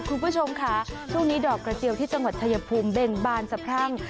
คุณผู้ชมค่ะช่วงนี้ดอกกระเจียวที่จังหวัดชายภูมิเบ่งบานสะพรั่ง